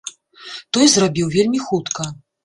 Той зрабіў вельмі хутка.